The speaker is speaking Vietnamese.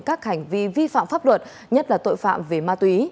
các hành vi vi phạm pháp luật nhất là tội phạm về ma túy